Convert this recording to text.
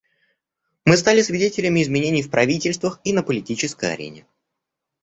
Мы стали свидетелями изменений в правительствах и на политической арене.